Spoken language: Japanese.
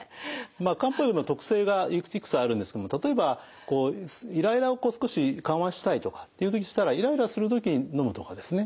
漢方薬の特性がいくつかあるんですけども例えばイライラを少し緩和したいとかっていう時でしたらイライラする時にのむとかですね。